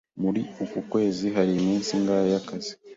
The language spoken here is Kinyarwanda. Muri uku kwezi hari iminsi ingahe y'akazi?